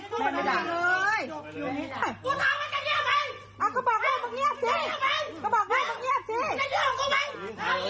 ป้าคิดว่าเธอคุยกับด้านป้าเธอสวัสดี